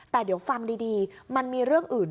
แต่เดี๋ยวฟังดีมันมีเรื่องอื่น